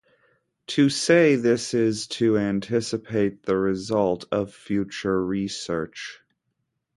To say this is to anticipate the result of future research.